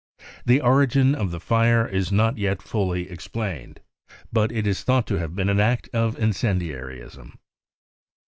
The origin of the fire is not yet fully explained. But it is thought to have been an act of incendiarism.